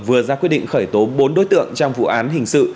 vừa ra quyết định khởi tố bốn đối tượng trong vụ án hình sự